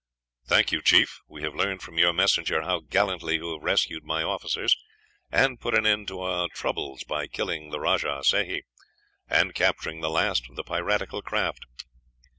"Thank you, chief. We have learned from your messenger how gallantly you have rescued my two officers, and put an end to our troubles by killing the Rajah Sehi, and capturing the last of the piratical craft."